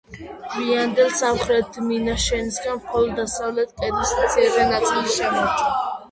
გვიანდელ სამხრეთ მინაშენისგან მხოლოდ დასავლეთ კედლის მცირე ნაწილი შემორჩა.